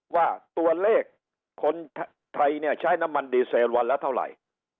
ว่าตัวเลขคนไทยเนี่ยใช้น้ำมันดีเซลวันละเท่าไหร่